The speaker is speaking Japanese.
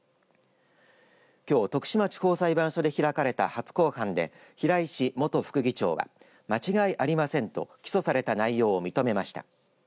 きょう徳島地方裁判所で開かれた初公判で平石元副議長は間違いありませんと起訴された内容を認めました。